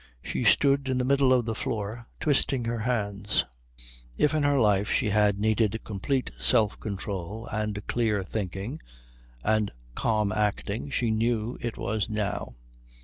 She stood in the middle of the floor twisting her hands. If in her life she had needed complete self control and clear thinking and calm acting she knew it was now.